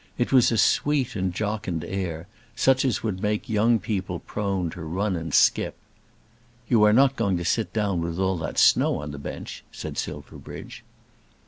It was a sweet and jocund air, such as would make young people prone to run and skip. "You are not going to sit down with all the snow on the bench," said Silverbridge.